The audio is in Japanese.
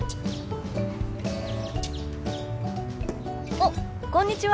おっこんにちは。